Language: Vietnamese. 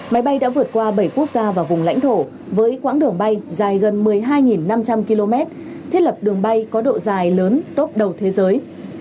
máy bay đã vượt qua bảy quốc gia và vùng lãnh thổ với quãng đường bay dài gần một mươi hai năm trăm linh km thiết lập đường bay có độ dài lớn top đầu thế giới